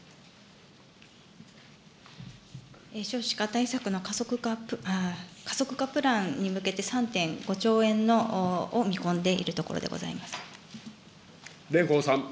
少子化対策の加速化プランに向けて３．５兆円を見込んでいる蓮舫さん。